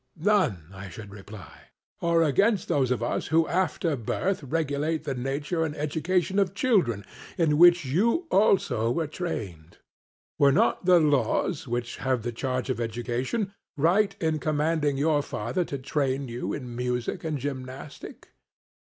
None, I should reply. 'Or against those of us who after birth regulate the nurture and education of children, in which you also were trained? Were not the laws, which have the charge of education, right in commanding your father to train you in music and gymnastic?'